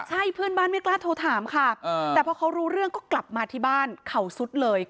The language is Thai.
ใช่เพื่อนบ้านไม่กล้าโทรถามค่ะแต่พอเขารู้เรื่องก็กลับมาที่บ้านเขาสุดเลย